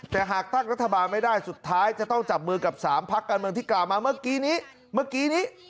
แต่หากตั้งรัฐบาลไม่ได้สุดท้ายจะต้องจับมือกับ๓พักการเมืองที่กล่าวมาเมื่อกี้นี้เมื่อกี้นี้